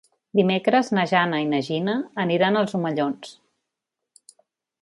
Dimecres na Jana i na Gina aniran als Omellons.